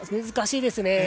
難しいですね。